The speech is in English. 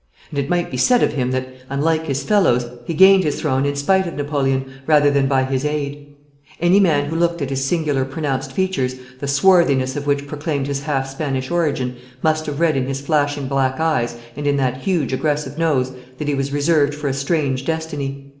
And it might be said of him that, unlike his fellows, he gained his throne in spite of Napoleon rather than by his aid. Any man who looked at his singular pronounced features, the swarthiness of which proclaimed his half Spanish origin, must have read in his flashing black eyes and in that huge aggressive nose that he was reserved for a strange destiny.